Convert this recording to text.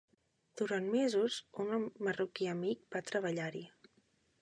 Durant mesos, un marroquí amic va treballar-hi.